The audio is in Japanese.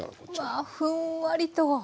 うわふんわりと。